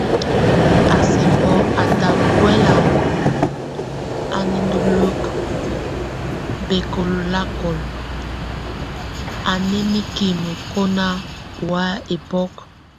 A sá bɔŋ ata buɛl a nenduluek bekolakol, a námike koma o way ebok.